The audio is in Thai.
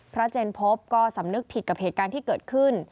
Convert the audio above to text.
เจนพบก็สำนึกผิดกับเหตุการณ์ที่เกิดขึ้น